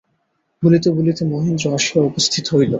বলিতে-বলিতেই মহেন্দ্র আসিয়া উপস্থিত হইল।